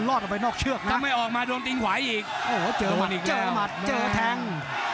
โอ้โหเจอมัตต์เจอมัตต์เจอแทง